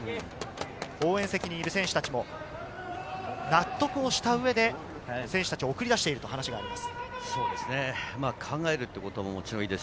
応援席にいる選手たちも納得をした上で選手たちを送り出しているということです。